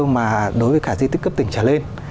mà đối với cả di tích cấp tỉnh trở lên